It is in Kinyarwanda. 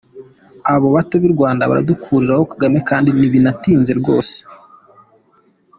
Abo bato b’i Rwanda baradukuliraho Kagame kandi ntibinatinze rwose.